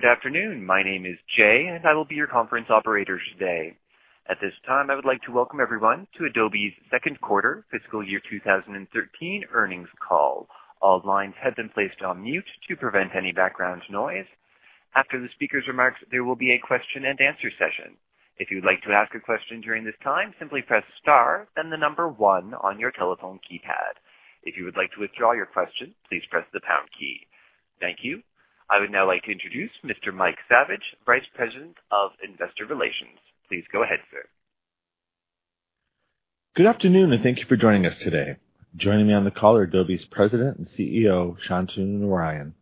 Good afternoon. My name is Jay, and I will be your conference operator today. At this time, I would like to welcome everyone to Adobe's second quarter fiscal year 2013 earnings call. All lines have been placed on mute to prevent any background noise. After the speaker's remarks, there will be a question and answer session. If you'd like to ask a question during this time, simply press star then the number 1 on your telephone keypad. If you would like to withdraw your question, please press the pound key. Thank you. I would now like to introduce Mr. Mike Saviage, Vice President of Investor Relations. Please go ahead, sir. Good afternoon. Thank you for joining us today. Joining me on the call are Adobe's President and CEO, Shantanu Narayen,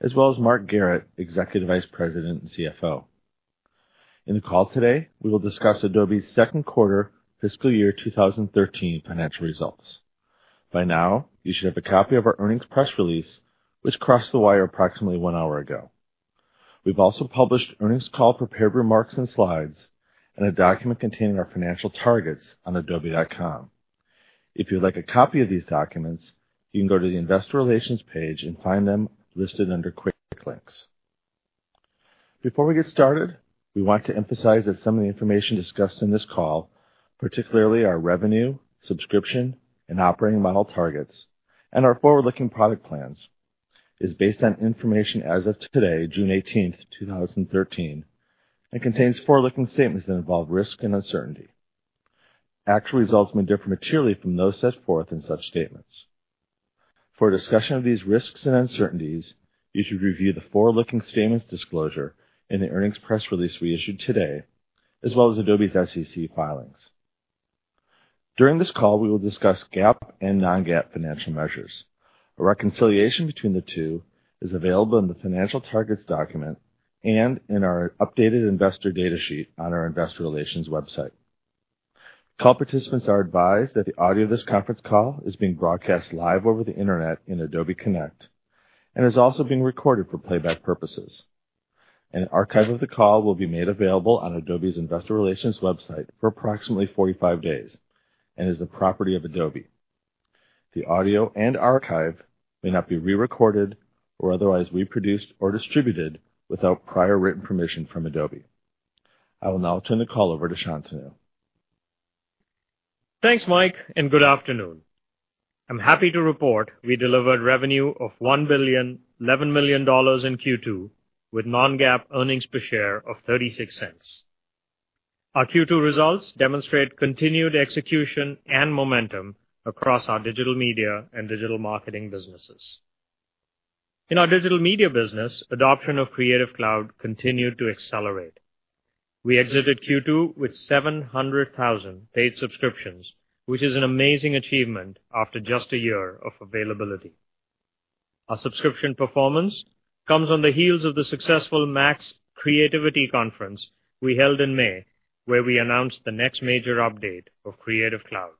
as well as Mark Garrett, Executive Vice President and CFO. In the call today, we will discuss Adobe's second quarter fiscal year 2013 financial results. By now, you should have a copy of our earnings press release, which crossed the wire approximately one hour ago. We've also published earnings call prepared remarks and slides, and a document containing our financial targets on adobe.com. If you'd like a copy of these documents, you can go to the investor relations page and find them listed under quick links. Before we get started, we want to emphasize that some of the information discussed in this call, particularly our revenue, subscription, and operating model targets, and our forward-looking product plans, is based on information as of today, June 18th, 2013, and contains forward-looking statements that involve risk and uncertainty. Actual results may differ materially from those set forth in such statements. For a discussion of these risks and uncertainties, you should review the forward-looking statements disclosure in the earnings press release we issued today, as well as Adobe's SEC filings. During this call, we will discuss GAAP and non-GAAP financial measures. A reconciliation between the two is available in the financial targets document and in our updated investor data sheet on our investor relations website. Call participants are advised that the audio of this conference call is being broadcast live over the internet in Adobe Connect and is also being recorded for playback purposes. An archive of the call will be made available on Adobe's investor relations website for approximately 45 days and is the property of Adobe. The audio and archive may not be re-recorded or otherwise reproduced or distributed without prior written permission from Adobe. I will now turn the call over to Shantanu. Thanks, Mike, and good afternoon. I'm happy to report we delivered revenue of $1,011,000,000 in Q2, with non-GAAP earnings per share of $0.36. Our Q2 results demonstrate continued execution and momentum across our digital media and digital marketing businesses. In our digital media business, adoption of Creative Cloud continued to accelerate. We exited Q2 with 700,000 paid subscriptions, which is an amazing achievement after just a year of availability. Our subscription performance comes on the heels of the successful MAX creativity conference we held in May, where we announced the next major update of Creative Cloud.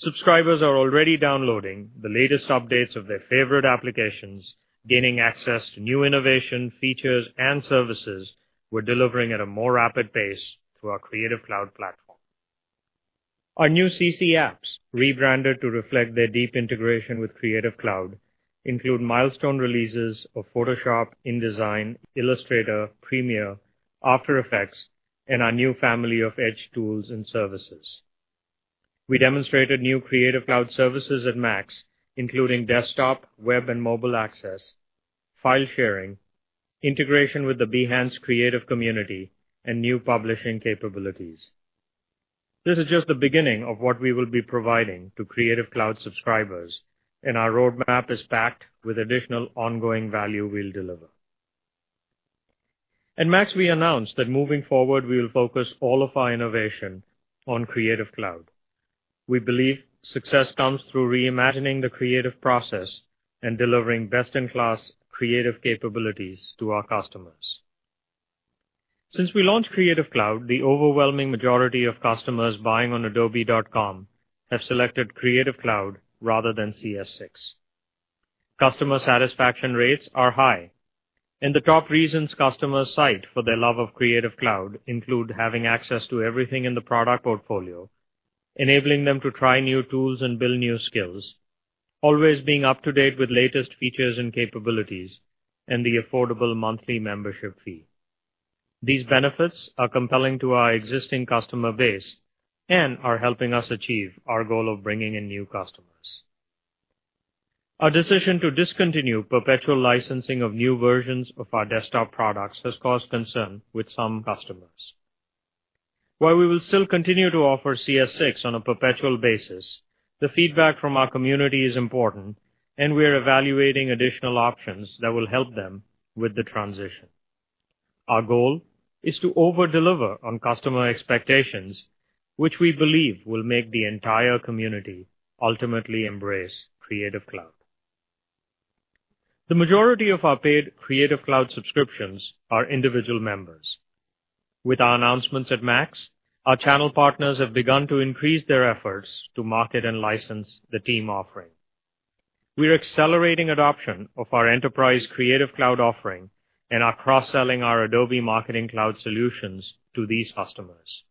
Subscribers are already downloading the latest updates of their favorite applications, gaining access to new innovation features and services we're delivering at a more rapid pace through our Creative Cloud platform. Our new CC apps, rebranded to reflect their deep integration with Creative Cloud, include milestone releases of Photoshop, InDesign, Illustrator, Premiere, After Effects, and our new family of Edge tools and services. We demonstrated new Creative Cloud services at MAX, including desktop, web, and mobile access, file sharing, integration with the Behance creative community, and new publishing capabilities. This is just the beginning of what we will be providing to Creative Cloud subscribers, and our roadmap is packed with additional ongoing value we'll deliver. At MAX, we announced that moving forward, we will focus all of our innovation on Creative Cloud. We believe success comes through reimagining the creative process and delivering best-in-class creative capabilities to our customers. Since we launched Creative Cloud, the overwhelming majority of customers buying on adobe.com have selected Creative Cloud rather than CS6. The top reasons customers cite for their love of Creative Cloud include having access to everything in the product portfolio, enabling them to try new tools and build new skills, always being up to date with latest features and capabilities, and the affordable monthly membership fee. These benefits are compelling to our existing customer base and are helping us achieve our goal of bringing in new customers. Our decision to discontinue perpetual licensing of new versions of our desktop products has caused concern with some customers. While we will still continue to offer CS6 on a perpetual basis, the feedback from our community is important, and we are evaluating additional options that will help them with the transition. Our goal is to over-deliver on customer expectations, which we believe will make the entire community ultimately embrace Creative Cloud. The majority of our paid Creative Cloud subscriptions are individual members. With our announcements at MAX, our channel partners have begun to increase their efforts to market and license the team offering. We're accelerating adoption of our enterprise Creative Cloud offering and are cross-selling our Adobe Marketing Cloud solutions to these customers.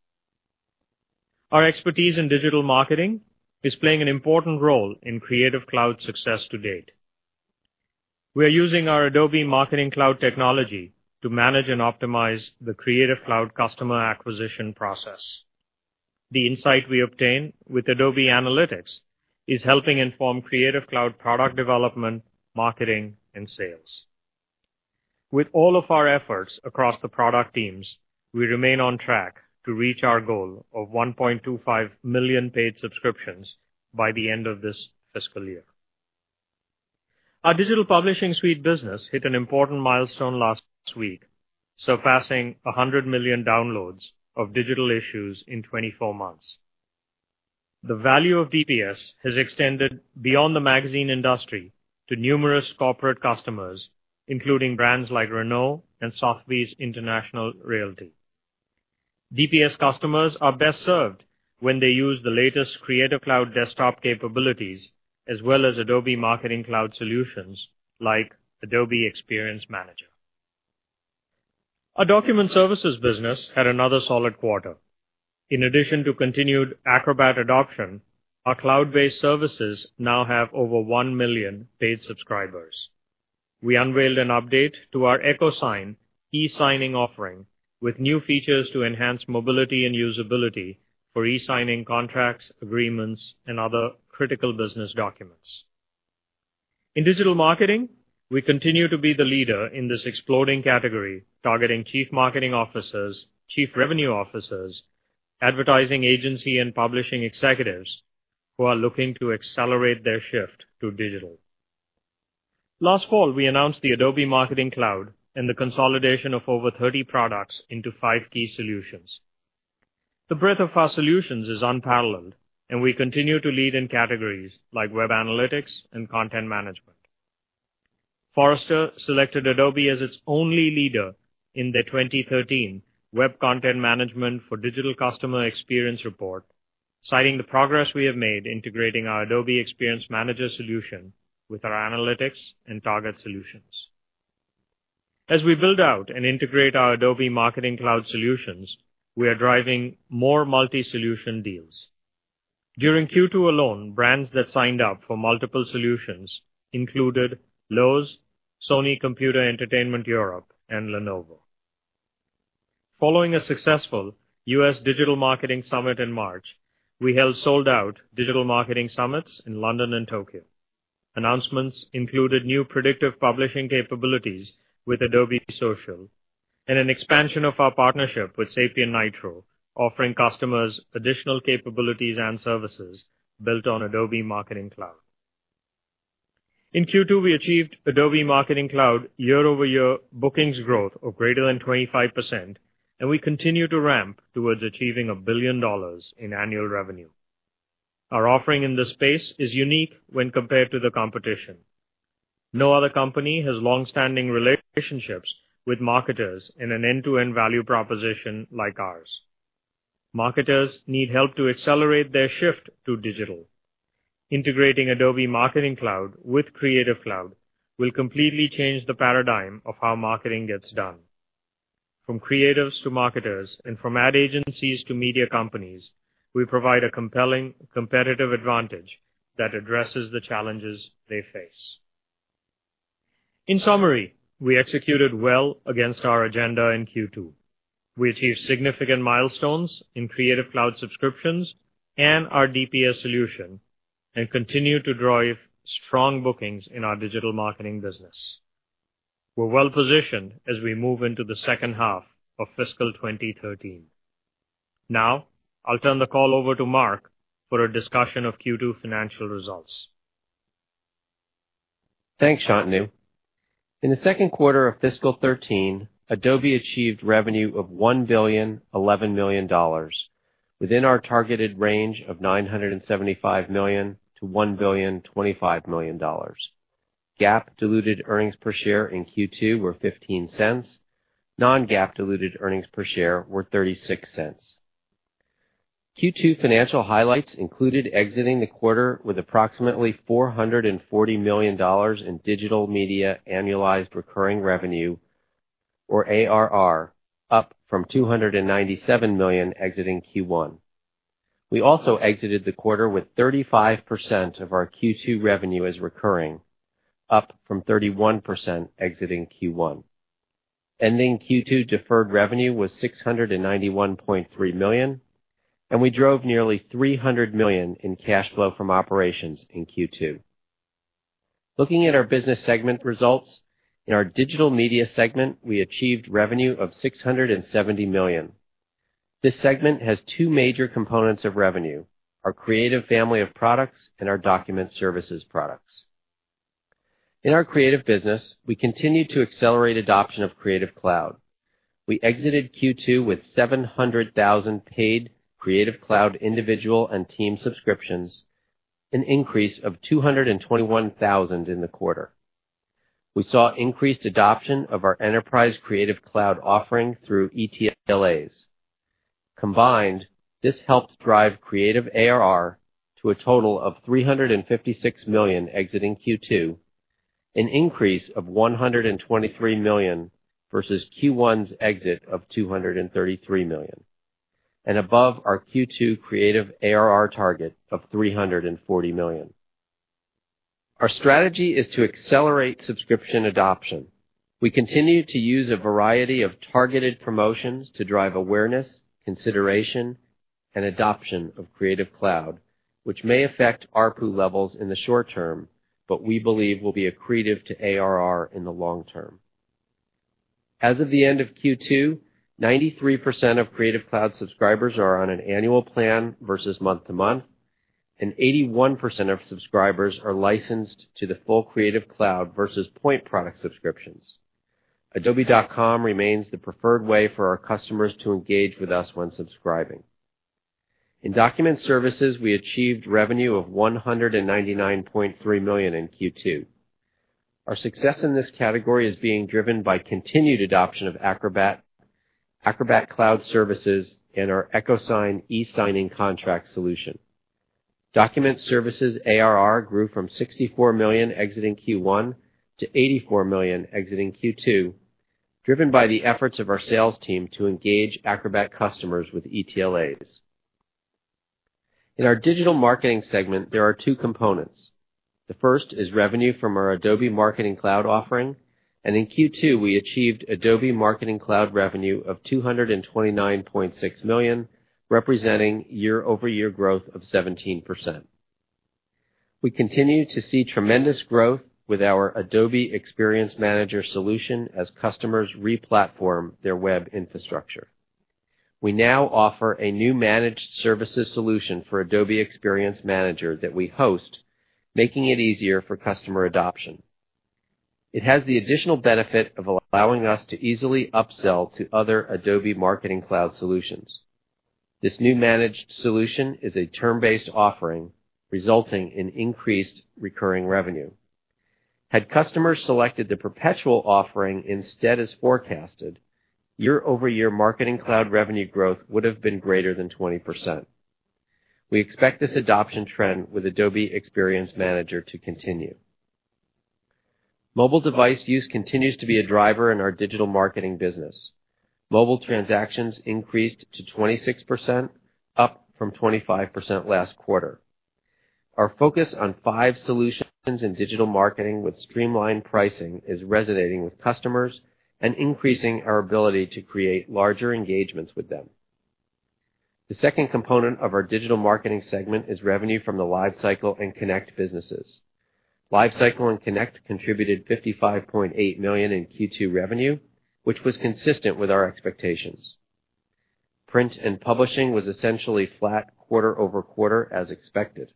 Our expertise in digital marketing is playing an important role in Creative Cloud success to date. We are using our Adobe Marketing Cloud technology to manage and optimize the Creative Cloud customer acquisition process. The insight we obtain with Adobe Analytics is helping inform Creative Cloud product development, marketing, and sales. With all of our efforts across the product teams, we remain on track to reach our goal of 1.25 million paid subscriptions by the end of this fiscal year. Our Adobe Digital Publishing Suite business hit an important milestone last week, surpassing 100 million downloads of digital issues in 24 months. The value of DPS has extended beyond the magazine industry to numerous corporate customers, including brands like Renault and Sotheby's International Realty. DPS customers are best served when they use the latest Creative Cloud desktop capabilities, as well as Adobe Marketing Cloud solutions like Adobe Experience Manager. Our document services business had another solid quarter. In addition to continued Acrobat adoption, our cloud-based services now have over 1 million paid subscribers. We unveiled an update to our Adobe EchoSign e-signing offering with new features to enhance mobility and usability for e-signing contracts, agreements, and other critical business documents. In digital marketing, we continue to be the leader in this exploding category, targeting chief marketing officers, chief revenue officers, advertising agency and publishing executives who are looking to accelerate their shift to digital. Last fall, we announced the Adobe Marketing Cloud and the consolidation of over 30 products into five key solutions. The breadth of our solutions is unparalleled and we continue to lead in categories like web analytics and content management. Forrester selected Adobe as its only leader in the 2013 Web Content Management for Digital Customer Experience Report, citing the progress we have made integrating our Adobe Experience Manager solution with our Adobe Analytics and Adobe Target solutions. As we build out and integrate our Adobe Marketing Cloud solutions, we are driving more multi-solution deals. During Q2 alone, brands that signed up for multiple solutions included Lowe's, Sony Computer Entertainment Europe, and Lenovo. Following a successful U.S. digital marketing summit in March, we held sold-out digital marketing summits in London and Tokyo. Announcements included new predictive publishing capabilities with Adobe Social and an expansion of our partnership with SapientNitro, offering customers additional capabilities and services built on Adobe Marketing Cloud. In Q2, we achieved Adobe Marketing Cloud year-over-year bookings growth of greater than 25%, and we continue to ramp towards achieving $1 billion in annual revenue. Our offering in this space is unique when compared to the competition. No other company has long-standing relationships with marketers in an end-to-end value proposition like ours. Marketers need help to accelerate their shift to digital. Integrating Adobe Marketing Cloud with Creative Cloud will completely change the paradigm of how marketing gets done. From creatives to marketers and from ad agencies to media companies, we provide a compelling competitive advantage that addresses the challenges they face. In summary, we executed well against our agenda in Q2. We achieved significant milestones in Creative Cloud subscriptions and our DPS solution and continue to drive strong bookings in our digital marketing business. We're well positioned as we move into the second half of fiscal 2013. Now, I'll turn the call over to Mark for a discussion of Q2 financial results. Thanks, Shantanu. In the second quarter of fiscal 2013, Adobe achieved revenue of $1.011 billion within our targeted range of $975 million-$1.025 billion. GAAP diluted earnings per share in Q2 were $0.15. Non-GAAP diluted earnings per share were $0.36. Q2 financial highlights included exiting the quarter with approximately $440 million in Digital Media annualized recurring revenue, or ARR, up from $297 million exiting Q1. We also exited the quarter with 35% of our Q2 revenue as recurring, up from 31% exiting Q1. Ending Q2 deferred revenue was $691.3 million. We drove nearly $300 million in cash flow from operations in Q2. Looking at our business segment results, in our Digital Media segment, we achieved revenue of $670 million. This segment has two major components of revenue, our Creative family of products and our Document Services products. In our Creative business, we continue to accelerate adoption of Creative Cloud. We exited Q2 with 700,000 paid Creative Cloud individual and team subscriptions, an increase of 221,000 in the quarter. We saw increased adoption of our enterprise Creative Cloud offering through ETLAs. Combined, this helped drive Creative ARR to a total of $356 million exiting Q2, an increase of $123 million versus Q1's exit of $233 million and above our Q2 Creative ARR target of $340 million. Our strategy is to accelerate subscription adoption. We continue to use a variety of targeted promotions to drive awareness, consideration, and adoption of Creative Cloud, which may affect ARPU levels in the short term, but we believe will be accretive to ARR in the long term. As of the end of Q2, 93% of Creative Cloud subscribers are on an annual plan versus month-to-month. 81% of subscribers are licensed to the full Creative Cloud versus point product subscriptions. adobe.com remains the preferred way for our customers to engage with us when subscribing. In Document Services, we achieved revenue of $199.3 million in Q2. Our success in this category is being driven by continued adoption of Acrobat Cloud Services and our EchoSign e-signing contract solution. Document Services' ARR grew from $64 million exiting Q1 to $84 million exiting Q2, driven by the efforts of our sales team to engage Acrobat customers with ETLAs. In our Digital Marketing segment, there are two components. The first is revenue from our Adobe Marketing Cloud offering. In Q2, we achieved Adobe Marketing Cloud revenue of $229.6 million, representing year-over-year growth of 17%. We continue to see tremendous growth with our Adobe Experience Manager solution as customers re-platform their web infrastructure. We now offer a new managed services solution for Adobe Experience Manager that we host, making it easier for customer adoption. It has the additional benefit of allowing us to easily upsell to other Adobe Marketing Cloud solutions. This new managed solution is a term-based offering, resulting in increased recurring revenue. Had customers selected the perpetual offering instead as forecasted, year-over-year Marketing Cloud revenue growth would have been greater than 20%. We expect this adoption trend with Adobe Experience Manager to continue. Mobile device use continues to be a driver in our Digital Marketing business. Mobile transactions increased to 26%, up from 25% last quarter. Our focus on five solutions in Digital Marketing with streamlined pricing is resonating with customers and increasing our ability to create larger engagements with them. The second component of our digital marketing segment is revenue from the LiveCycle and Adobe Connect businesses. LiveCycle and Adobe Connect contributed $55.8 million in Q2 revenue, which was consistent with our expectations. Print and publishing was essentially flat quarter-over-quarter as expected.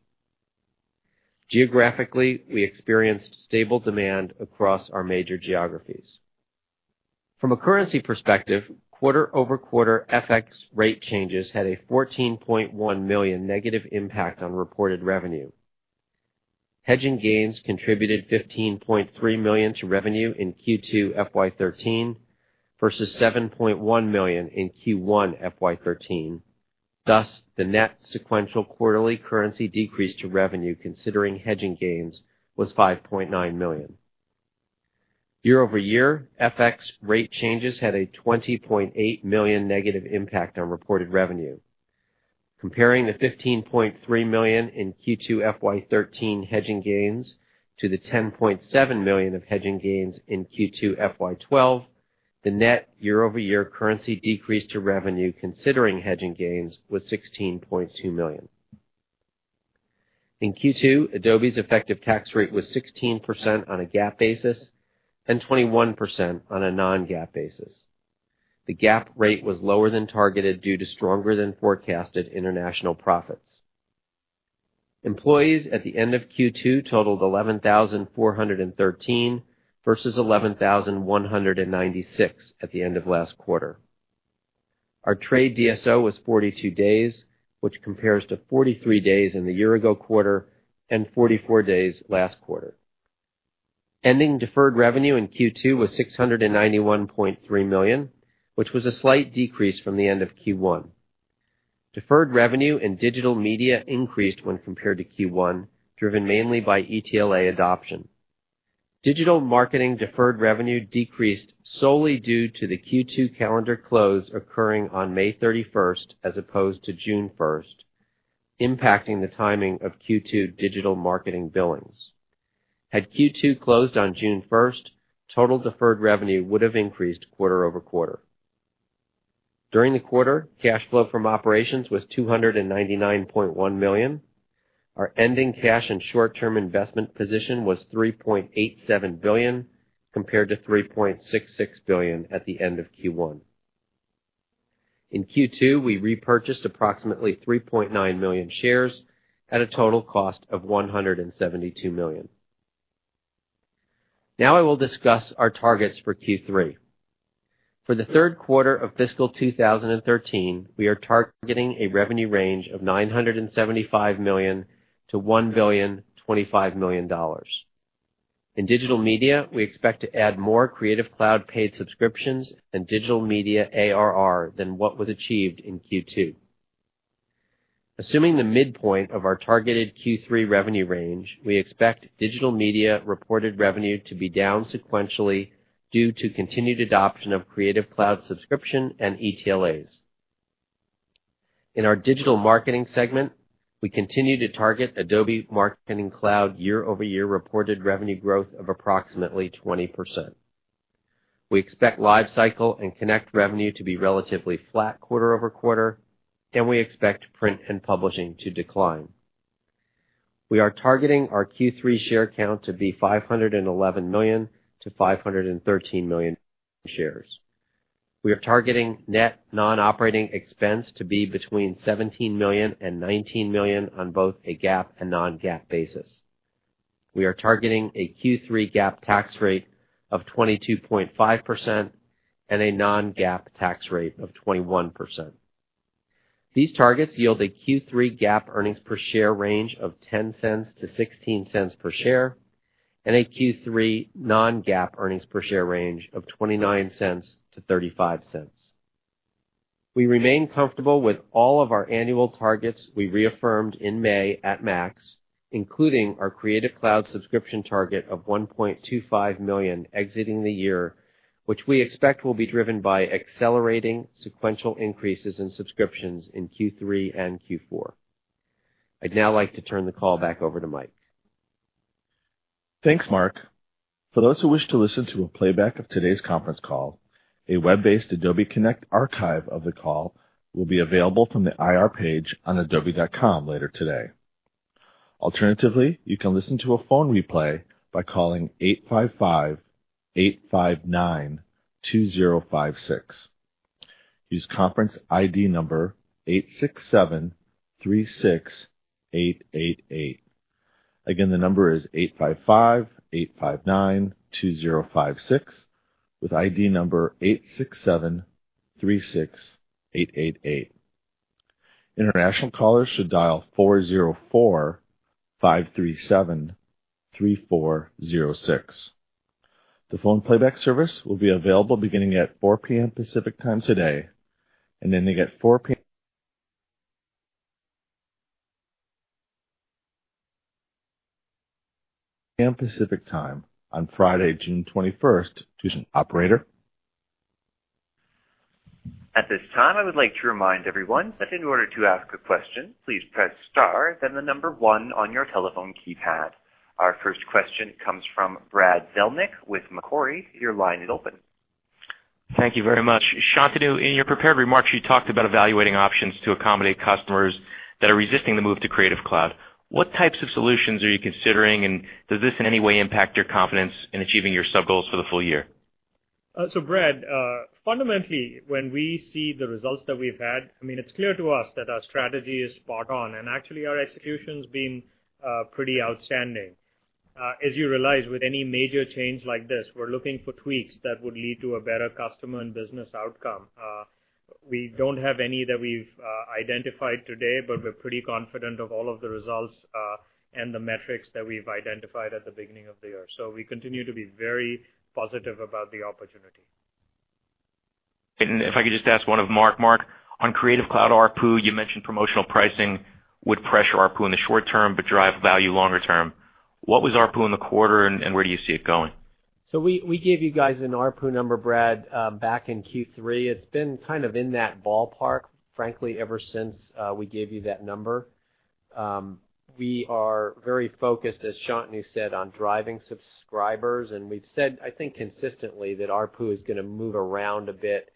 Geographically, we experienced stable demand across our major geographies. From a currency perspective, quarter-over-quarter FX rate changes had a $14.1 million negative impact on reported revenue. Hedging gains contributed $15.3 million to revenue in Q2 FY 2013 versus $7.1 million in Q1 FY 2013. Thus, the net sequential quarterly currency decrease to revenue considering hedging gains was $5.9 million. Year-over-year, FX rate changes had a $20.8 million negative impact on reported revenue. Comparing the $15.3 million in Q2 FY 2013 hedging gains to the $10.7 million of hedging gains in Q2 FY 2012, the net year-over-year currency decrease to revenue considering hedging gains was $16.2 million. In Q2, Adobe's effective tax rate was 16% on a GAAP basis and 21% on a non-GAAP basis. The GAAP rate was lower than targeted due to stronger than forecasted international profits. Employees at the end of Q2 totaled 11,413 versus 11,196 at the end of last quarter. Our trade DSO was 42 days, which compares to 43 days in the year-ago quarter and 44 days last quarter. Ending deferred revenue in Q2 was $691.3 million, which was a slight decrease from the end of Q1. Deferred revenue in digital media increased when compared to Q1, driven mainly by ETLA adoption. Digital marketing deferred revenue decreased solely due to the Q2 calendar close occurring on May 31st as opposed to June 1st, impacting the timing of Q2 digital marketing billings. Had Q2 closed on June 1st, total deferred revenue would have increased quarter-over-quarter. During the quarter, cash flow from operations was $299.1 million. Our ending cash and short-term investment position was $3.87 billion, compared to $3.66 billion at the end of Q1. In Q2, we repurchased approximately 3.9 million shares at a total cost of $172 million. Now I will discuss our targets for Q3. For the third quarter of fiscal 2013, we are targeting a revenue range of $975 million-$1.025 billion. In digital media, we expect to add more Creative Cloud paid subscriptions and digital media ARR than what was achieved in Q2. Assuming the midpoint of our targeted Q3 revenue range, we expect digital media reported revenue to be down sequentially due to continued adoption of Creative Cloud subscription and ETLAs. In our digital marketing segment, we continue to target Adobe Marketing Cloud year-over-year reported revenue growth of approximately 20%. We expect LiveCycle and Adobe Connect revenue to be relatively flat quarter-over-quarter, and we expect print and publishing to decline. We are targeting our Q3 share count to be 511 million-513 million shares. We are targeting net non-operating expense to be between $17 million and $19 million on both a GAAP and non-GAAP basis. We are targeting a Q3 GAAP tax rate of 22.5% and a non-GAAP tax rate of 21%. These targets yield a Q3 GAAP earnings per share range of $0.10-$0.16 per share and a Q3 non-GAAP earnings per share range of $0.29-$0.35. We remain comfortable with all of our annual targets we reaffirmed in May at MAX, including our Creative Cloud subscription target of 1.25 million exiting the year, which we expect will be driven by accelerating sequential increases in subscriptions in Q3 and Q4. I'd now like to turn the call back over to Mike. Thanks, Mark. For those who wish to listen to a playback of today's conference call, a web-based Adobe Connect archive of the call will be available from the IR page on adobe.com later today. Alternatively, you can listen to a phone replay by calling 855-859-2056. Use conference ID number 86736888. Again, the number is 855-859-2056 with ID number 86736888. International callers should dial 404-537-3406. The phone playback service will be available beginning at 4:00 P.M. Pacific Time today, and ending at 4:00 P.M. Pacific Time on Friday, June 21st. Operator? At this time, I would like to remind everyone that in order to ask a question, please press star then the number one on your telephone keypad. Our first question comes from Brad Zelnick with Macquarie. Your line is open. Thank you very much. Shantanu, in your prepared remarks, you talked about evaluating options to accommodate customers that are resisting the move to Creative Cloud. What types of solutions are you considering, and does this in any way impact your confidence in achieving your sub goals for the full year? Brad, fundamentally, when we see the results that we've had, it's clear to us that our strategy is spot on. Actually, our execution's been pretty outstanding. As you realize, with any major change like this, we're looking for tweaks that would lead to a better customer and business outcome. We don't have any that we've identified today, but we're pretty confident of all of the results and the metrics that we've identified at the beginning of the year. We continue to be very positive about the opportunity. If I could just ask one of Mark. Mark, on Creative Cloud ARPU, you mentioned promotional pricing would pressure ARPU in the short term but drive value longer term. What was ARPU in the quarter and where do you see it going? We gave you guys an ARPU number, Brad, back in Q3. It's been kind of in that ballpark, frankly, ever since we gave you that number. We are very focused, as Shantanu said, on driving subscribers. We've said, I think, consistently that ARPU is going to move around a bit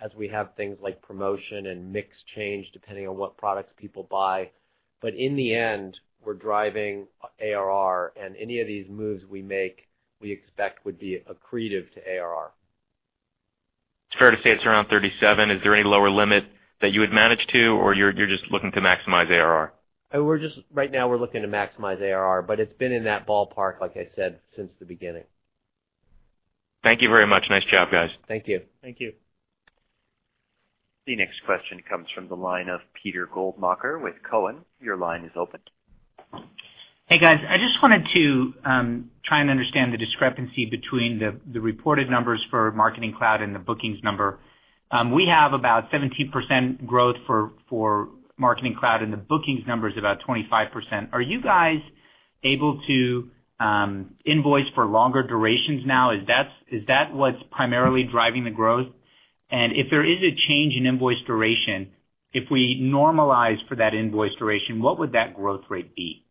as we have things like promotion and mix change depending on what products people buy. In the end, we're driving ARR, and any of these moves we make, we expect would be accretive to ARR. It's fair to say it's around $37. Is there any lower limit that you would manage to, or you're just looking to maximize ARR? Right now, we're looking to maximize ARR, but it's been in that ballpark, like I said, since the beginning. Thank you very much. Nice job, guys. Thank you. Thank you. The next question comes from the line of Peter Goldmacher with Cowen. Your line is open. Hey, guys. I just wanted to try and understand the discrepancy between the reported numbers for Marketing Cloud and the bookings number. We have about 17% growth for Marketing Cloud, and the bookings number is about 25%. Are you guys able to invoice for longer durations now? Is that what's primarily driving the growth? If there is a change in invoice duration, if we normalize for that invoice duration, what would that growth rate be?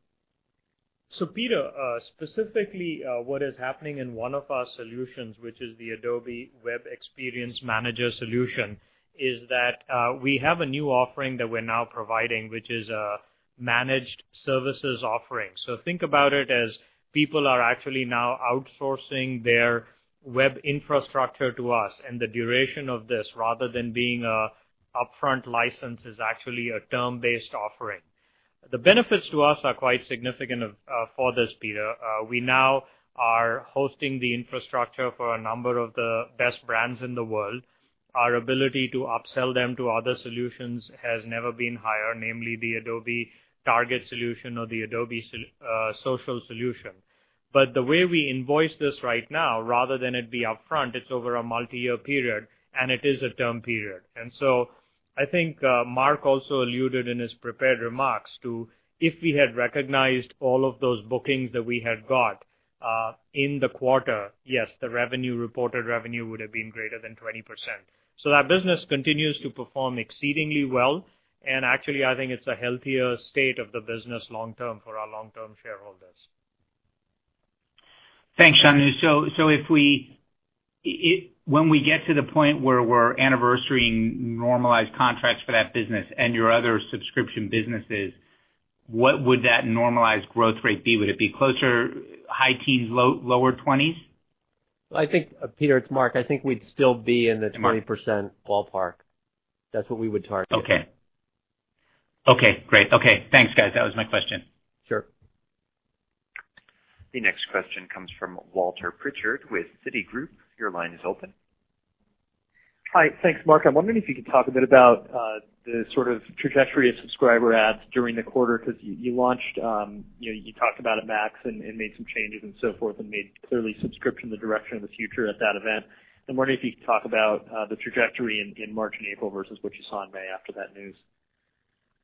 Peter, specifically, what is happening in one of our solutions, which is the Adobe Web Experience Manager solution, is that we have a new offering that we're now providing, which is a managed services offering. Think about it as people are actually now outsourcing their web infrastructure to us, and the duration of this, rather than being an upfront license, is actually a term-based offering. The benefits to us are quite significant for this, Peter. We now are hosting the infrastructure for a number of the best brands in the world. Our ability to upsell them to other solutions has never been higher, namely the Adobe Target solution or the Adobe Social solution. The way we invoice this right now, rather than it be upfront, it's over a multi-year period, and it is a term period. I think Mark also alluded in his prepared remarks to if we had recognized all of those bookings that we had got in the quarter, yes, the reported revenue would have been greater than 20%. That business continues to perform exceedingly well, and actually, I think it's a healthier state of the business long term for our long-term shareholders. Thanks, Shantanu. When we get to the point where we're anniversarying normalized contracts for that business and your other subscription businesses, what would that normalized growth rate be? Would it be closer high teens, lower 20s? Peter, it's Mark. I think we'd still be. Mark 20% ballpark. That's what we would target. Okay. Great. Okay. Thanks, guys. That was my question. Sure. The next question comes from Walter Pritchard with Citigroup. Your line is open. Hi. Thanks, Mark. I'm wondering if you could talk a bit about the sort of trajectory of subscriber adds during the quarter, because you talked about it, MAX, made some changes and so forth, made clearly subscription the direction of the future at that event. I'm wondering if you could talk about the trajectory in March and April versus what you saw in May after that news.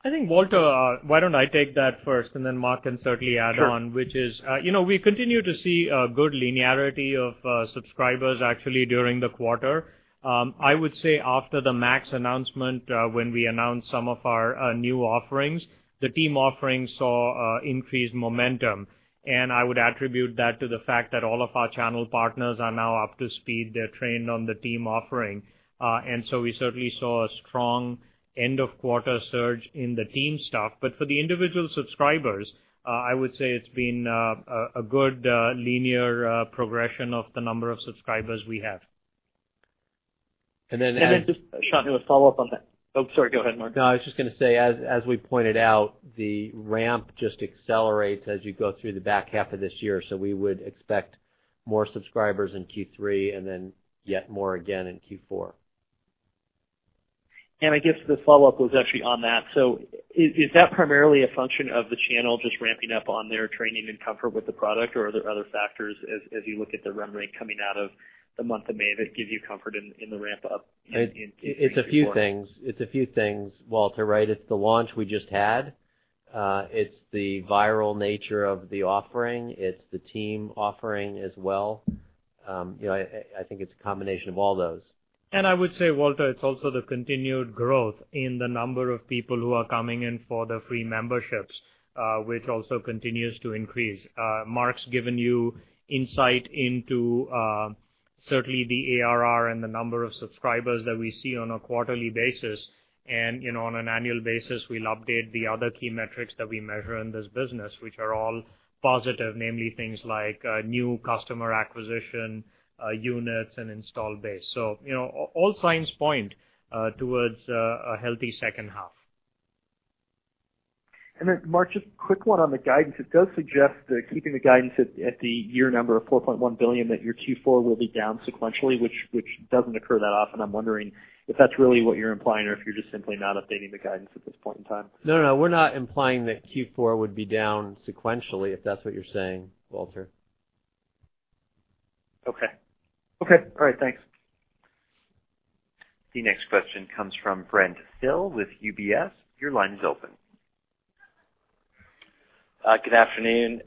I think, Walter, why don't I take that first, then Mark can certainly add on. Sure. Which is, we continue to see a good linearity of subscribers actually during the quarter. I would say after the MAX announcement, when we announced some of our new offerings, the Team offerings saw increased momentum, I would attribute that to the fact that all of our channel partners are now up to speed. They're trained on the Team offering. We certainly saw a strong end-of-quarter surge in the Team stuff. For the individual subscribers, I would say it's been a good linear progression of the number of subscribers we have. And then as- Just, Shantany, a follow-up on that. Oh, sorry. Go ahead, Mark. No, I was just going to say, as we pointed out, the ramp just accelerates as you go through the back half of this year. We would expect more subscribers in Q3 and then yet more again in Q4. I guess the follow-up was actually on that. Is that primarily a function of the channel just ramping up on their training and comfort with the product, or are there other factors as you look at the run rate coming out of the month of May that give you comfort in the ramp-up in Q3, Q4? It's a few things. It's a few things, Walter. It's the launch we just had. It's the viral nature of the offering. It's the Team offering as well. I think it's a combination of all those. I would say, Walter, it's also the continued growth in the number of people who are coming in for the free memberships, which also continues to increase. Mark's given you insight into certainly the ARR and the number of subscribers that we see on a quarterly basis, and on an annual basis, we'll update the other key metrics that we measure in this business, which are all positive. Namely things like new customer acquisition, units, and install base. All signs point towards a healthy second half. Mark, just a quick one on the guidance. It does suggest that keeping the guidance at the year number of $4.1 billion, that your Q4 will be down sequentially, which doesn't occur that often. I'm wondering if that's really what you're implying or if you're just simply not updating the guidance at this point in time. No, we're not implying that Q4 would be down sequentially, if that's what you're saying, Walter. Okay. All right, thanks. The next question comes from Brent Thill with UBS. Your line is open. Good afternoon.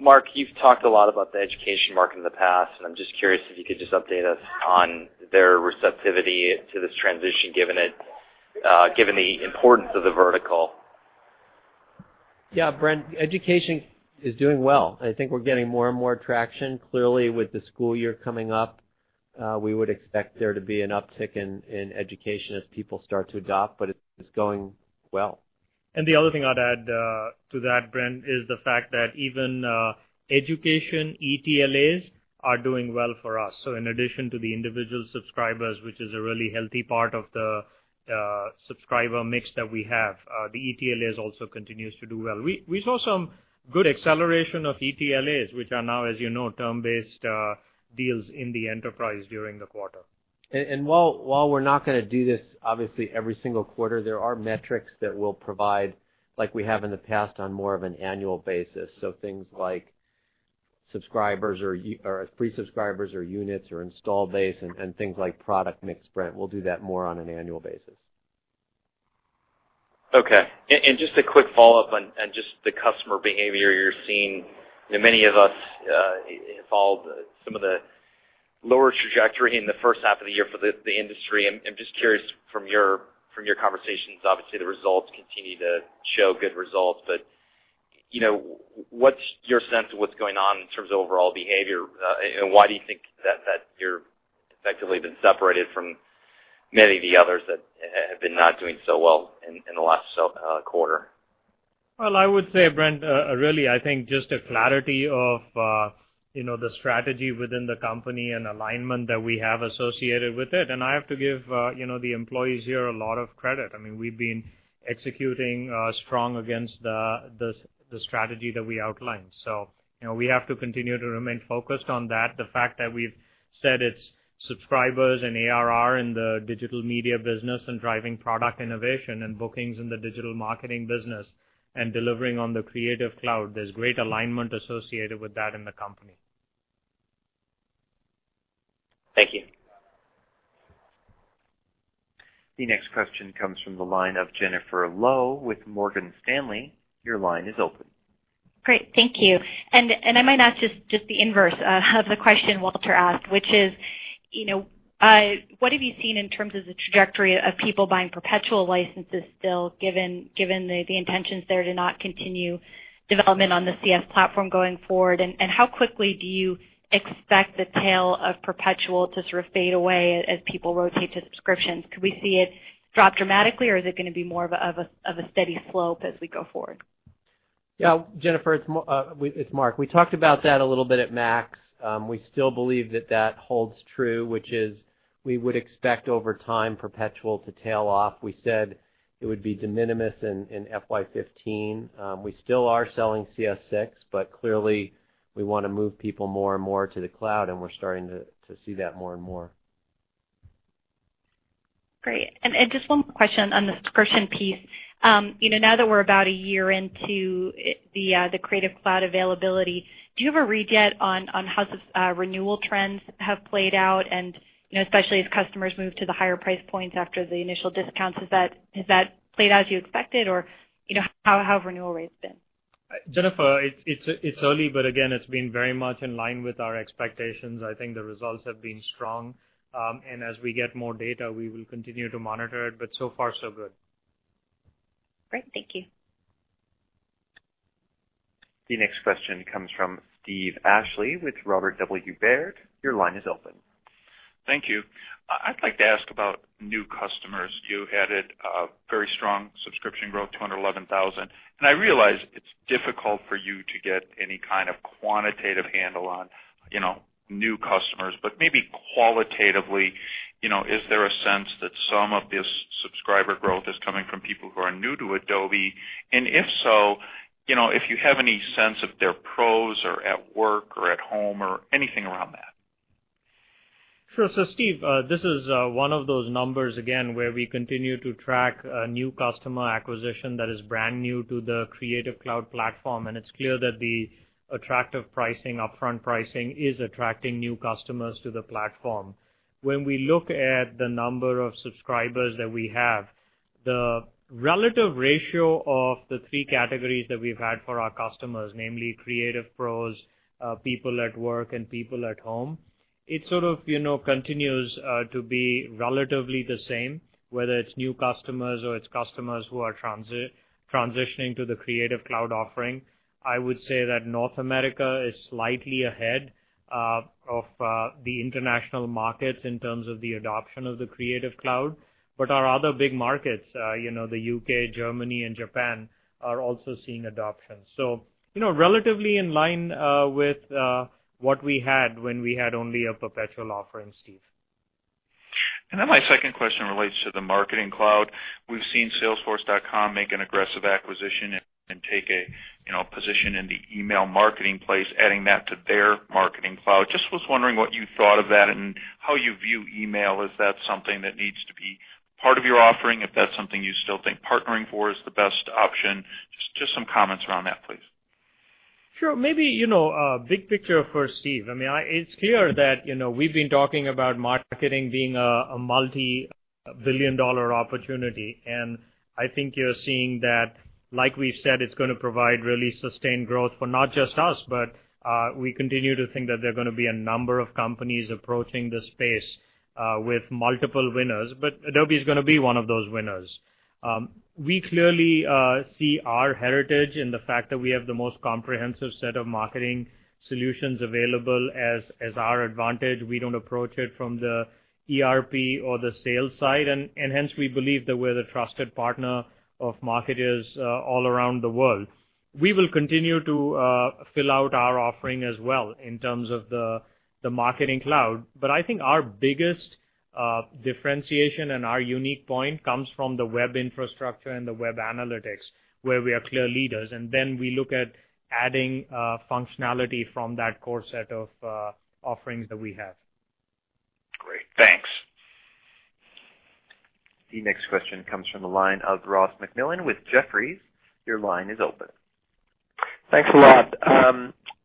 Mark, you've talked a lot about the education market in the past. I'm just curious if you could just update us on their receptivity to this transition, given the importance of the vertical. Yeah, Brent, education is doing well. I think we're getting more and more traction. Clearly with the school year coming up, we would expect there to be an uptick in education as people start to adopt. It's going well. The other thing I'd add to that, Brent, is the fact that even education ETLAs are doing well for us. In addition to the individual subscribers, which is a really healthy part of the subscriber mix that we have, the ETLAs also continues to do well. We saw some good acceleration of ETLAs, which are now, as you know, term-based deals in the enterprise during the quarter. While we're not going to do this obviously every single quarter, there are metrics that we'll provide, like we have in the past, on more of an annual basis. Things like free subscribers or units or install base and things like product mix, Brent. We'll do that more on an annual basis. Okay. Just a quick follow-up on just the customer behavior you're seeing. Many of us involved some of the lower trajectory in the first half of the year for the industry. I'm just curious from your conversations, obviously the results continue to show good results, but what's your sense of what's going on in terms of overall behavior? Why do you think that you're effectively been separated from many of the others that have been not doing so well in the last quarter? Well, I would say, Brent, really, I think just a clarity of the strategy within the company and alignment that we have associated with it. I have to give the employees here a lot of credit. We've been executing strong against the strategy that we outlined. We have to continue to remain focused on that. The fact that we've said it's subscribers and ARR in the digital media business and driving product innovation and bookings in the digital marketing business and delivering on the Creative Cloud, there's great alignment associated with that in the company. The next question comes from the line of Jennifer Lowe with Morgan Stanley. Your line is open. Great. Thank you. I might ask just the inverse of the question Walter asked, which is, what have you seen in terms of the trajectory of people buying perpetual licenses still, given the intentions there to not continue development on the CS platform going forward? How quickly do you expect the tail of perpetual to sort of fade away as people rotate to subscriptions? Could we see it drop dramatically, or is it going to be more of a steady slope as we go forward? Yeah, Jennifer, it's Mark. We talked about that a little bit at MAX. We still believe that that holds true, which is we would expect over time perpetual to tail off. We said it would be de minimis in FY 2015. We still are selling CS6, clearly we want to move people more and more to the cloud, we're starting to see that more and more. Great. Just one more question on the subscription piece. Now that we're about a year into the Creative Cloud availability, do you have a read yet on how renewal trends have played out? Especially as customers move to the higher price points after the initial discounts, has that played out as you expected? How have renewal rates been? Jennifer, it's early, but again, it's been very much in line with our expectations. I think the results have been strong. As we get more data, we will continue to monitor it, but so far so good. Great. Thank you. The next question comes from Steve Ashley with Robert W. Baird. Your line is open. Thank you. I'd like to ask about new customers. You added a very strong subscription growth, 211,000, I realize it's difficult for you to get any kind of quantitative handle on new customers, but maybe qualitatively, is there a sense that some of this subscriber growth is coming from people who are new to Adobe? If so, if you have any sense if they're pros or at work or at home or anything around that. Sure. Steve, this is one of those numbers, again, where we continue to track new customer acquisition that is brand new to the Creative Cloud platform, and it's clear that the attractive pricing, upfront pricing, is attracting new customers to the platform. When we look at the number of subscribers that we have, the relative ratio of the 3 categories that we've had for our customers, namely creative pros, people at work, and people at home, it sort of continues to be relatively the same, whether it's new customers or it's customers who are transitioning to the Creative Cloud offering. I would say that North America is slightly ahead of the international markets in terms of the adoption of the Creative Cloud. Our other big markets, the U.K., Germany, and Japan, are also seeing adoption. Relatively in line with what we had when we had only a perpetual offering, Steve. My second question relates to the Adobe Marketing Cloud. We've seen salesforce.com make an aggressive acquisition and take a position in the email marketing place, adding that to their Adobe Marketing Cloud. Just was wondering what you thought of that and how you view email. Is that something that needs to be part of your offering? If that's something you still think partnering for is the best option, just some comments around that, please. Sure. Maybe, big picture first, Steve. It's clear that we've been talking about marketing being a multi-billion-dollar opportunity, I think you're seeing that, like we've said, it's going to provide really sustained growth for not just us, we continue to think that there are going to be a number of companies approaching the space with multiple winners, but Adobe is going to be one of those winners. We clearly see our heritage and the fact that we have the most comprehensive set of marketing solutions available as our advantage. We don't approach it from the ERP or the sales side, hence we believe that we're the trusted partner of marketers all around the world. We will continue to fill out our offering as well in terms of the Adobe Marketing Cloud. I think our biggest differentiation and our unique point comes from the web infrastructure and the web analytics, where we are clear leaders, and then we look at adding functionality from that core set of offerings that we have. Great. Thanks. The next question comes from the line of Ross MacMillan with Jefferies. Your line is open. Thanks a lot.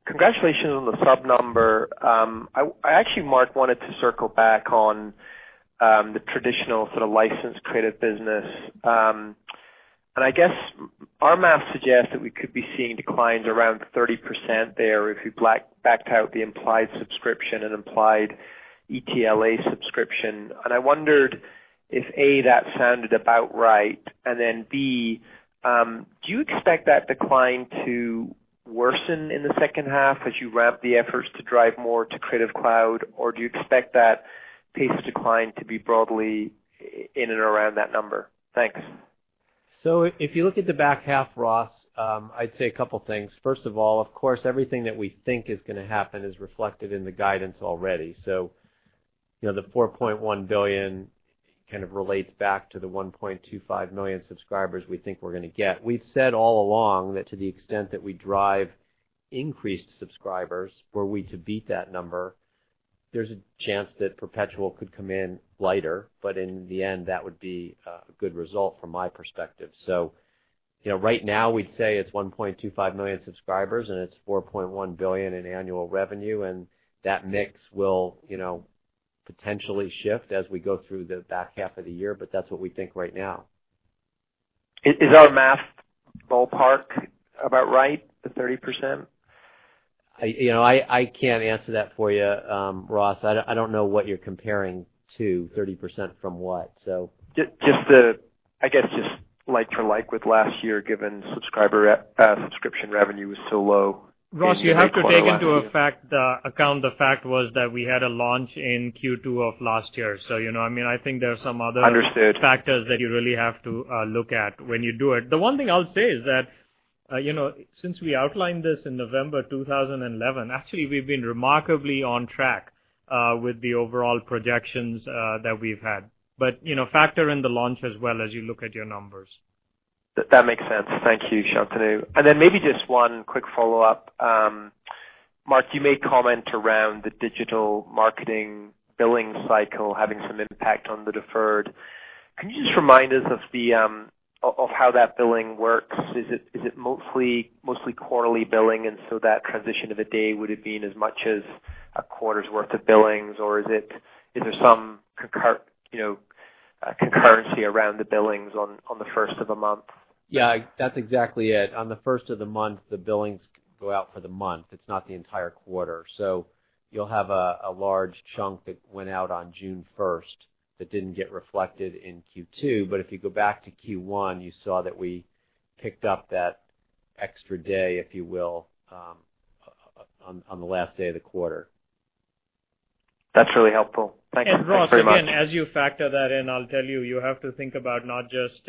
Congratulations on the sub number. I actually, Mark, wanted to circle back on the traditional sort of licensed creative business. I guess our math suggests that we could be seeing declines around 30% there if you backed out the implied subscription and implied ETLA subscription. I wondered if, A, that sounded about right, and then, B, do you expect that decline to worsen in the second half as you ramp the efforts to drive more to Creative Cloud, or do you expect that pace of decline to be broadly in and around that number? Thanks. If you look at the back half, Ross, I'd say a couple things. First of all, of course, everything that we think is going to happen is reflected in the guidance already. The $4.1 billion kind of relates back to the 1.25 million subscribers we think we're going to get. We've said all along that to the extent that we drive increased subscribers, were we to beat that number, there's a chance that perpetual could come in lighter, but in the end, that would be a good result from my perspective. Right now, we'd say it's 1.25 million subscribers, and it's $4.1 billion in annual revenue. That mix will potentially shift as we go through the back half of the year, but that's what we think right now. Is our math ballpark about right, the 30%? I can't answer that for you, Ross. I don't know what you're comparing to 30% from what. I guess just like to like with last year, given subscription revenue was so low in the quarter last year. Ross, you have to take into account the fact was that we had a launch in Q2 of last year. Understood factors that you really have to look at when you do it. The one thing I'll say is that, since we outlined this in November 2011, actually, we've been remarkably on track with the overall projections that we've had. Factor in the launch as well as you look at your numbers. That makes sense. Thank you, Shantanu. Then maybe just one quick follow-up. Mark, you made a comment around the digital marketing billing cycle having some impact on the deferred. Can you just remind us of how that billing works? Is it mostly quarterly billing, and so that transition of a day, would it be in as much as a quarter's worth of billings? Or is there some concurrency around the billings on the first of a month? Yeah, that's exactly it. On the first of the month, the billings go out for the month. It's not the entire quarter. You'll have a large chunk that went out on June 1st that didn't get reflected in Q2, but if you go back to Q1, you saw that we picked up that extra day, if you will, on the last day of the quarter. That's really helpful. Thank you. Ross, again, as you factor that in, I'll tell you have to think about not just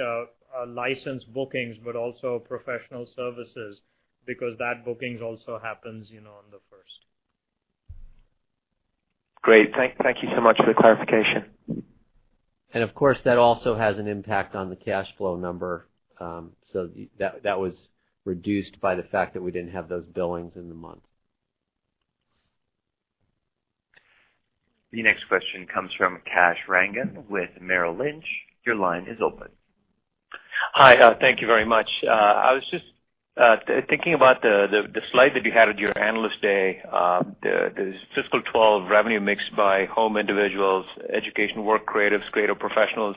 license bookings, but also professional services, because that booking also happens on the first. Great. Thank you so much for the clarification. Of course, that also has an impact on the cash flow number. That was reduced by the fact that we didn't have those billings in the month. The next question comes from Kash Rangan with Merrill Lynch. Your line is open. Hi. Thank you very much. I was just thinking about the slide that you had at your Analyst Day, the fiscal 2012 revenue mix by home individuals, education, work, creatives, creative professionals.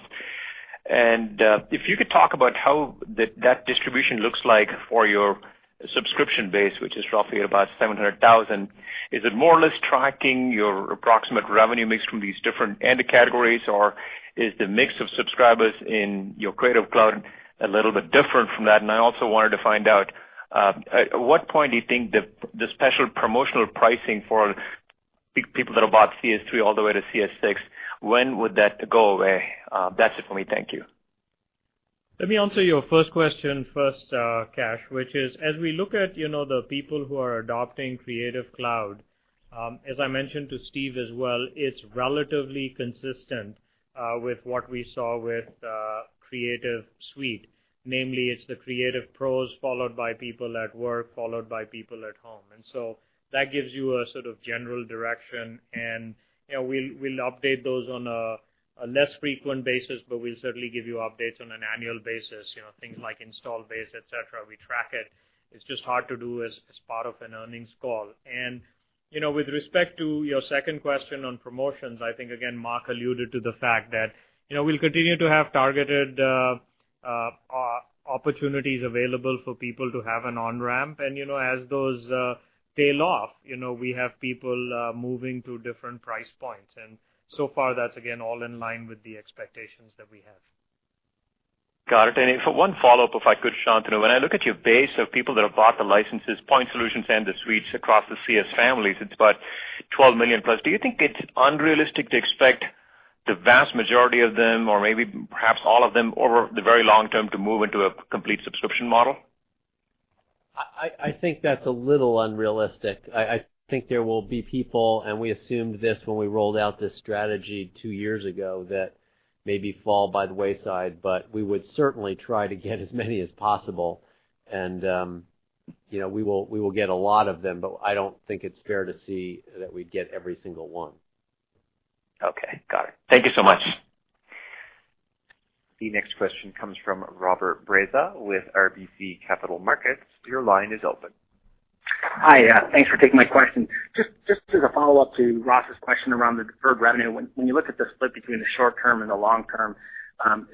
If you could talk about how that distribution looks like for your subscription base, which is roughly about 700,000. Is it more or less tracking your approximate revenue mix from these different end categories, or is the mix of subscribers in your Creative Cloud a little bit different from that? I also wanted to find out, at what point do you think the special promotional pricing for people that have bought CS3 all the way to CS6, when would that go away? That's it for me. Thank you. Let me answer your first question first, Kash, which is, as we look at the people who are adopting Creative Cloud, as I mentioned to Steve as well, it's relatively consistent with what we saw with Creative Suite. Namely, it's the creative pros, followed by people at work, followed by people at home. That gives you a sort of general direction, and we'll update those on a less frequent basis, but we'll certainly give you updates on an annual basis. Things like install base, et cetera. We track it. It's just hard to do as part of an earnings call. With respect to your second question on promotions, I think, again, Mark alluded to the fact that we'll continue to have targeted opportunities available for people to have an on-ramp. As those tail off, we have people moving to different price points. So far, that's again, all in line with the expectations that we have. Got it. One follow-up, if I could, Shantanu. When I look at your base of people that have bought the licenses, point solutions and the suites across the CS families, it's about 12 million plus. Do you think it's unrealistic to expect the vast majority of them, or maybe perhaps all of them, over the very long term, to move into a complete subscription model? I think that's a little unrealistic. I think there will be people, we assumed this when we rolled out this strategy two years ago, that maybe fall by the wayside, but we would certainly try to get as many as possible. We will get a lot of them, but I don't think it's fair to see that we'd get every single one. Okay. Got it. Thank you so much. The next question comes from Robert Breza with RBC Capital Markets. Your line is open. Hi. Thanks for taking my question. Just as a follow-up to Ross's question around the deferred revenue. When you look at the split between the short term and the long term,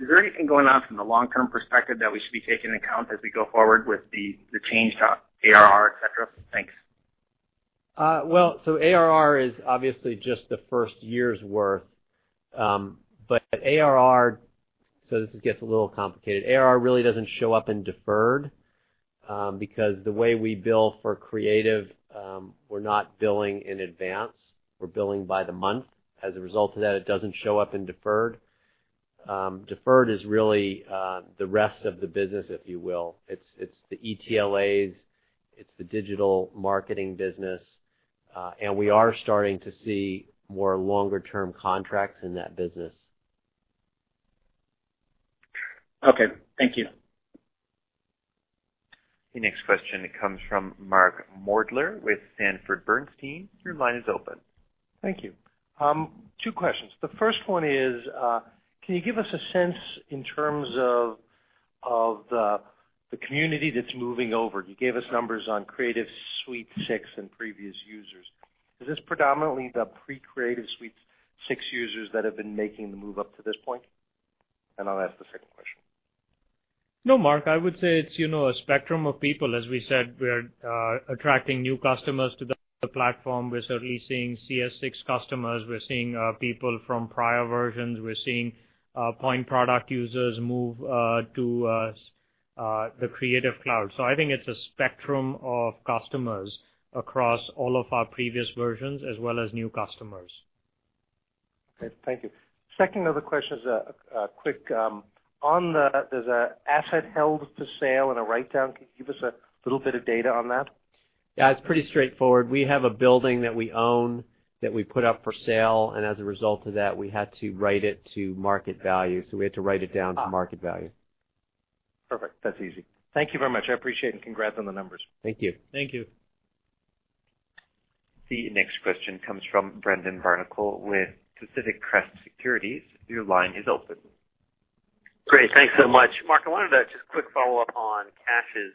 is there anything going on from the long-term perspective that we should be taking into account as we go forward with the changed ARR, et cetera? Thanks. Well, ARR is obviously just the first year's worth. This gets a little complicated. ARR really doesn't show up in deferred, because the way we bill for creative, we're not billing in advance. We're billing by the month. As a result of that, it doesn't show up in deferred. Deferred is really the rest of the business, if you will. It's the ETLAs, it's the digital marketing business. We are starting to see more longer-term contracts in that business. Okay. Thank you. The next question comes from Mark Moerdler with Sanford Bernstein. Your line is open. Thank you. Two questions. The first one is, can you give us a sense in terms of the community that's moving over? You gave us numbers on Creative Suite 6 and previous users. Is this predominantly the pre-Creative Suite 6 users that have been making the move up to this point? I'll ask the second question. No, Mark, I would say it's a spectrum of people. As we said, we're attracting new customers to the platform. We're certainly seeing CS 6 customers. We're seeing people from prior versions. We're seeing point product users move to the Creative Cloud. I think it's a spectrum of customers across all of our previous versions, as well as new customers. Okay, thank you. Second other question is quick. There's an asset held for sale and a write-down. Can you give us a little bit of data on that? Yeah, it's pretty straightforward. We have a building that we own that we put up for sale, as a result of that, we had to write it to market value. We had to write it down to market value. Perfect. That's easy. Thank you very much. I appreciate it, and congrats on the numbers. Thank you. Thank you. The next question comes from Brendan Barnicle with Pacific Crest Securities. Your line is open. Great, thanks so much. Mark, I wanted to just quick follow up on Kash's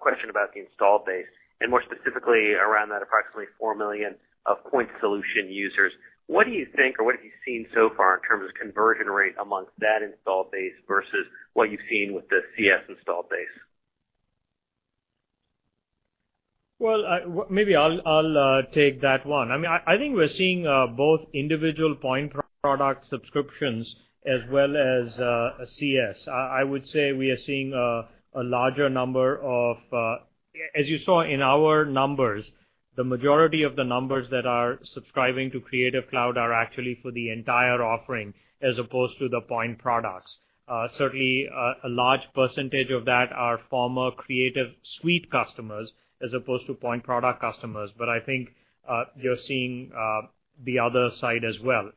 question about the install base, and more specifically around that approximately 4 million of point solution users. What do you think, or what have you seen so far in terms of conversion rate amongst that install base versus what you've seen with the CS install base? Well, maybe I'll take that one. I think we're seeing both individual point product subscriptions as well as CS. I would say we are seeing a larger number of as you saw in our numbers, the majority of the numbers that are subscribing to Creative Cloud are actually for the entire offering as opposed to the point products. Certainly, a large percentage of that are former Creative Suite customers as opposed to point product customers. I think you're seeing the other side as well.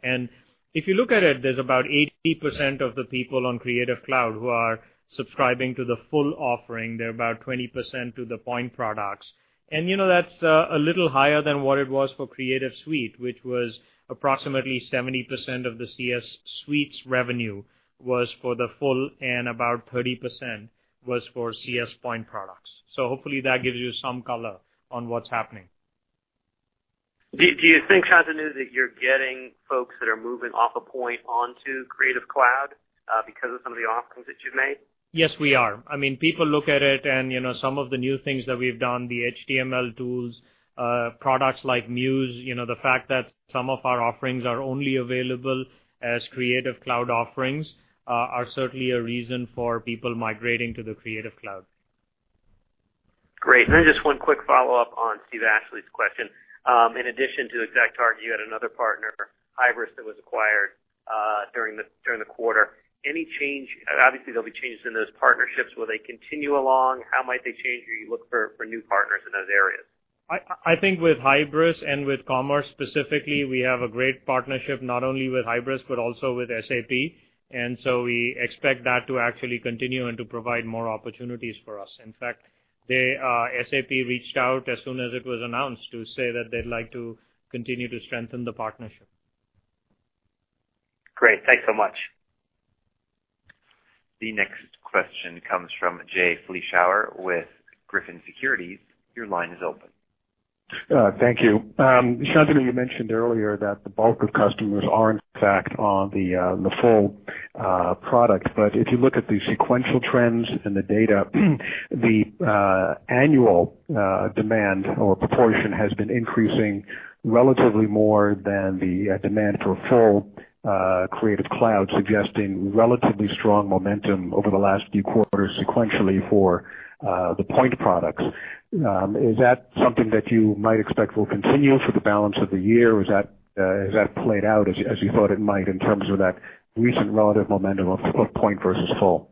If you look at it, there's about 80% of the people on Creative Cloud who are subscribing to the full offering. They're about 20% to the point products. That's a little higher than what it was for Creative Suite, which was approximately 70% of the CS Suites revenue was for the full, and about 30% was for CS point products. Hopefully that gives you some color on what's happening. Do you think, Shantanu, that you're getting folks that are moving off a point onto Creative Cloud because of some of the offerings that you've made? Yes, we are. People look at it, some of the new things that we've done, the HTML tools, products like Muse, the fact that some of our offerings are only available as Creative Cloud offerings are certainly a reason for people migrating to the Creative Cloud. Great. Just one quick follow-up on Steve Ashley's question. In addition to ExactTarget, you had another partner, hybris, that was acquired during the quarter. Obviously, there'll be changes in those partnerships. Will they continue along? How might they change? You look for new partners in those areas? I think with hybris and with Commerce specifically, we have a great partnership not only with hybris but also with SAP. We expect that to actually continue and to provide more opportunities for us. In fact, SAP reached out as soon as it was announced to say that they'd like to continue to strengthen the partnership. Great. Thanks so much. The next question comes from Jay Vleeschhouwer with Griffin Securities. Your line is open. Thank you. Shantanu, you mentioned earlier that the bulk of customers are in fact on the full product. If you look at the sequential trends and the data, the annual demand or proportion has been increasing relatively more than the demand for full Creative Cloud, suggesting relatively strong momentum over the last few quarters sequentially for the point products. Is that something that you might expect will continue for the balance of the year? Or has that played out as you thought it might in terms of that recent relative momentum of point versus full?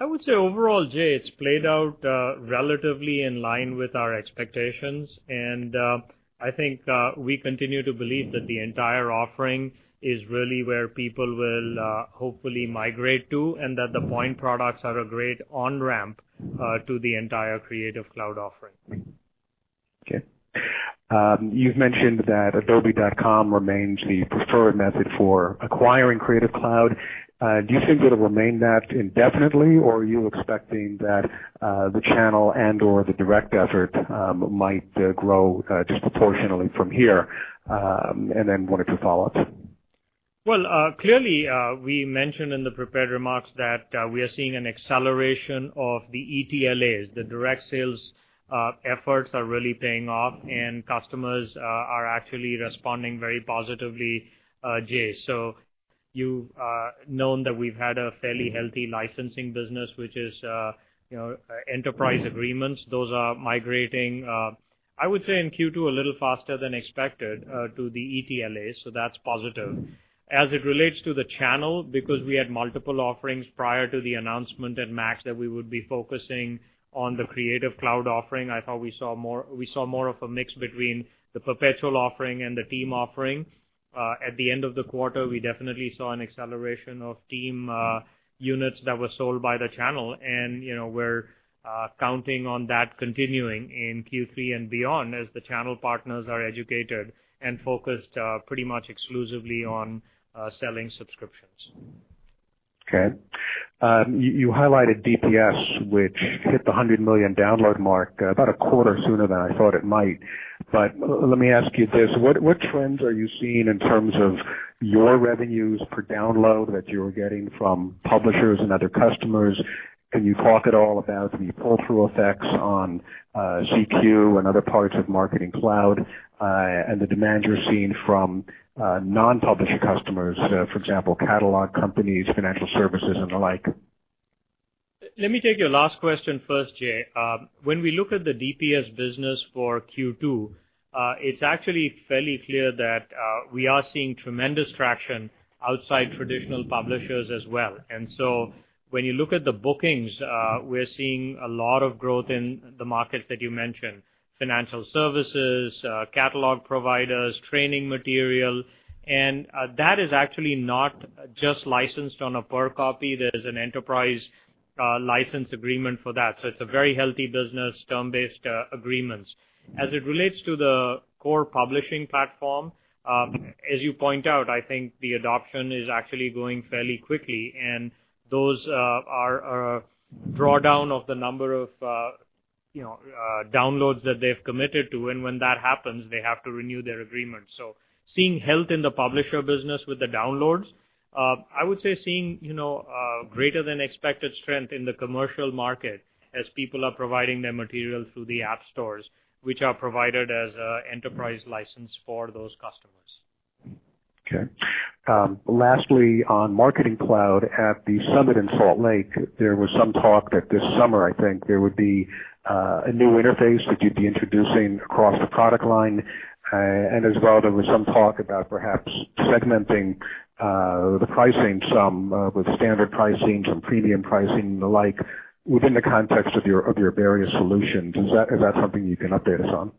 I would say overall, Jay, it's played out relatively in line with our expectations. I think we continue to believe that the entire offering is really where people will hopefully migrate to. That the point products are a great on-ramp to the entire Creative Cloud offering. Okay. You've mentioned that adobe.com remains the preferred method for acquiring Creative Cloud. Do you think it'll remain that indefinitely, or are you expecting that the channel and/or the direct effort might grow disproportionately from here? Then one or two follow-ups. Clearly, we mentioned in the prepared remarks that we are seeing an acceleration of the ETLAs. The direct sales efforts are really paying off, and customers are actually responding very positively, Jay. You've known that we've had a fairly healthy licensing business, which is enterprise agreements. Those are migrating, I would say in Q2, a little faster than expected to the ETLAs. That's positive. As it relates to the channel, because we had multiple offerings prior to the announcement at MAX that we would be focusing on the Creative Cloud offering, I thought we saw more of a mix between the perpetual offering and the team offering. At the end of the quarter, we definitely saw an acceleration of team units that were sold by the channel, and we're counting on that continuing in Q3 and beyond as the channel partners are educated and focused pretty much exclusively on selling subscriptions. Okay. You highlighted DPS, which hit the 100 million download mark about a quarter sooner than I thought it might. Let me ask you this, what trends are you seeing in terms of your revenues per download that you're getting from publishers and other customers? Can you talk at all about the pull-through effects on Analytics and other parts of Marketing Cloud, and the demand you're seeing from non-publisher customers, for example, catalog companies, financial services, and the like? Let me take your last question first, Jay. When we look at the DPS business for Q2, it's actually fairly clear that we are seeing tremendous traction outside traditional publishers as well. When you look at the bookings, we're seeing a lot of growth in the markets that you mentioned, financial services, catalog providers, training material. That is actually not just licensed on a per copy. There's an enterprise license agreement for that. It's a very healthy business, term-based agreements. As it relates to the core publishing platform, as you point out, I think the adoption is actually going fairly quickly, and those are a drawdown of the number of downloads that they've committed to. When that happens, they have to renew their agreement. Seeing health in the publisher business with the downloads, I would say seeing greater than expected strength in the commercial market as people are providing their material through the app stores, which are provided as an enterprise license for those customers. Okay. Lastly, on Marketing Cloud, at the summit in Salt Lake, there was some talk that this summer, I think, there would be a new interface that you'd be introducing across the product line. As well, there was some talk about perhaps segmenting the pricing some with standard pricing, some premium pricing, and the like, within the context of your various solutions. Is that something you can update us on?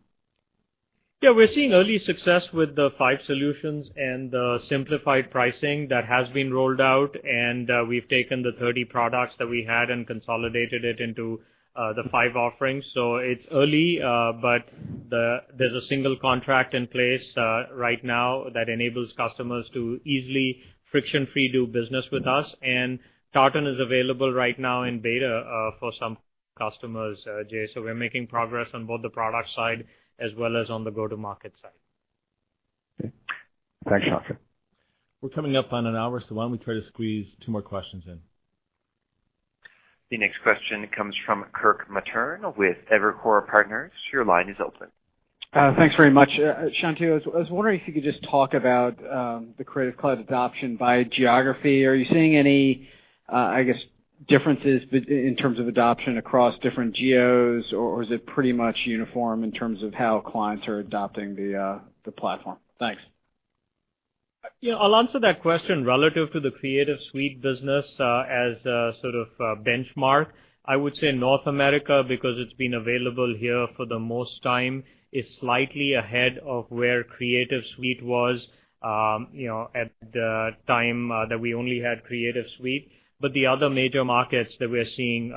Yeah, we're seeing early success with the five solutions and the simplified pricing that has been rolled out, and we've taken the 30 products that we had and consolidated it into the five offerings. It's early, but there's a single contract in place right now that enables customers to easily, friction-free, do business with us. Tartan is available right now in beta for some customers, Jay. We're making progress on both the product side as well as on the go-to-market side. Okay. Thanks, Shantanu. We're coming up on an hour, why don't we try to squeeze two more questions in? The next question comes from Kirk Materne with Evercore Partners. Your line is open. Thanks very much. Shantanu, I was wondering if you could just talk about the Creative Cloud adoption by geography. Are you seeing any differences in terms of adoption across different geos, or is it pretty much uniform in terms of how clients are adopting the platform? Thanks. I'll answer that question relative to the Creative Suite business as sort of a benchmark. I would say North America, because it's been available here for the most time, is slightly ahead of where Creative Suite was at the time that we only had Creative Suite. The other major markets that we're seeing,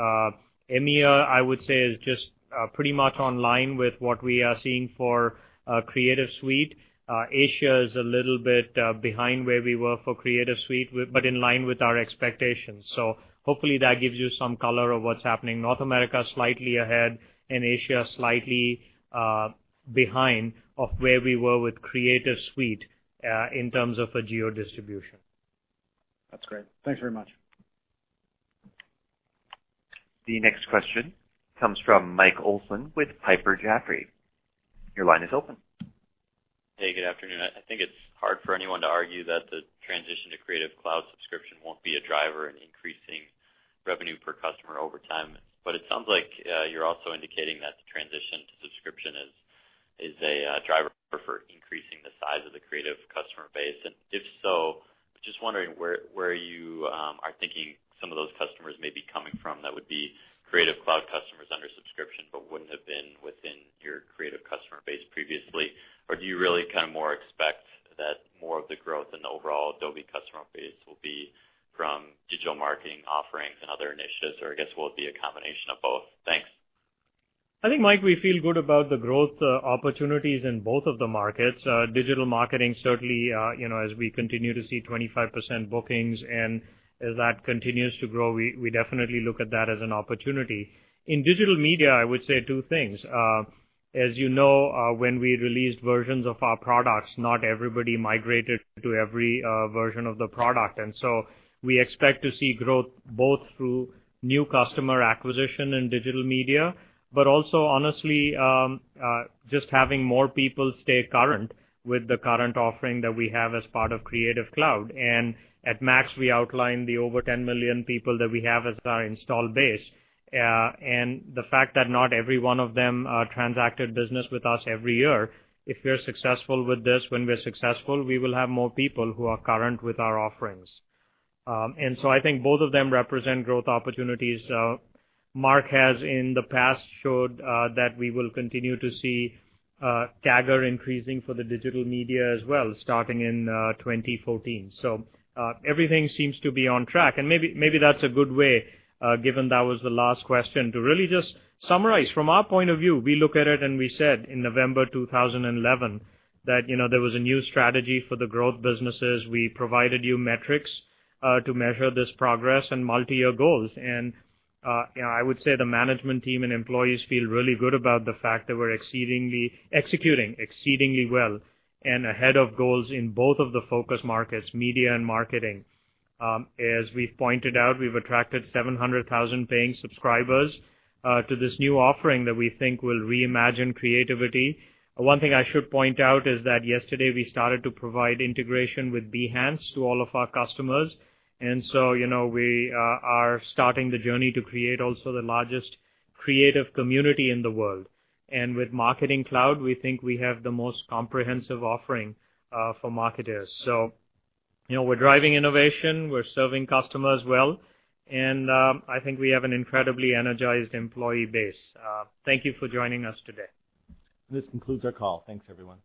EMEA, I would say, is just pretty much online with what we are seeing for Creative Suite. Asia is a little bit behind where we were for Creative Suite, but in line with our expectations. Hopefully, that gives you some color of what's happening. North America, slightly ahead, and Asia slightly behind of where we were with Creative Suite in terms of a geo distribution. That's great. Thanks very much. The next question comes from Mike Olson with Piper Jaffray. Your line is open. Hey, good afternoon. I think it's hard for anyone to argue that the transition to Creative Cloud subscription won't be a driver in increasing revenue per customer over time. It sounds like you're also indicating that the transition to subscription is a driver for increasing the size of the Creative customer base. If so, just wondering where you are thinking some of those customers may be coming from that would be Creative Cloud customers under subscription but wouldn't have been within your Creative customer base previously. Do you really kind of more expect that more of the growth in the overall Adobe customer base will be from digital marketing offerings and other initiatives, or will it be a combination of both? Thanks. I think, Mike, we feel good about the growth opportunities in both of the markets. Digital marketing, certainly as we continue to see 25% bookings, and as that continues to grow, we definitely look at that as an opportunity. In digital media, I would say two things. As you know, when we released versions of our products, not everybody migrated to every version of the product. We expect to see growth both through new customer acquisition in digital media, but also honestly, just having more people stay current with the current offering that we have as part of Creative Cloud. At MAX, we outlined the over 10 million people that we have as our install base. The fact that not every one of them transacted business with us every year, if we're successful with this, when we're successful, we will have more people who are current with our offerings. I think both of them represent growth opportunities. Mark has in the past showed that we will continue to see CAGR increasing for the Digital Media as well, starting in 2014. Everything seems to be on track. Maybe that's a good way, given that was the last question, to really just summarize from our point of view, we look at it and we said in November 2011 that there was a new strategy for the growth businesses. We provided you metrics to measure this progress and multi-year goals. I would say the management team and employees feel really good about the fact that we're executing exceedingly well and ahead of goals in both of the focus markets, media and marketing. As we've pointed out, we've attracted 700,000 paying subscribers to this new offering that we think will reimagine creativity. One thing I should point out is that yesterday we started to provide integration with Behance to all of our customers. We are starting the journey to create also the largest creative community in the world. With Marketing Cloud, we think we have the most comprehensive offering for marketers. We're driving innovation, we're serving customers well, and I think we have an incredibly energized employee base. Thank you for joining us today. This concludes our call. Thanks, everyone.